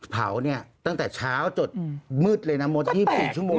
เผาตั้งแต่เช้าจดมืดเลยนะหมดที่๔ชั่วโมง